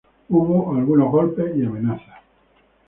Hubo algunos golpes y amenazas.